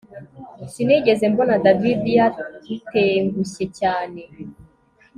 Sinigeze mbona David yatengushye cyane